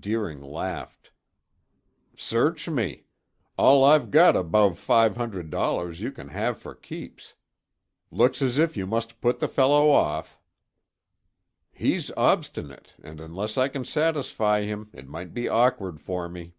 Deering laughed. "Search me! All I've got above five hundred dollars you can have for keeps. Looks as if you must put the fellow off." "He's obstinate and unless I can satisfy him it might be awkward for me."